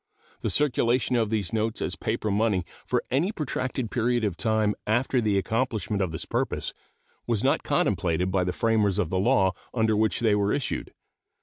The circulation of these notes as paper money for any protracted period of time after the accomplishment of this purpose was not contemplated by the framers of the law under which they were issued.